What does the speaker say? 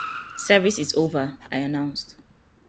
‘Service is over,’ I announced.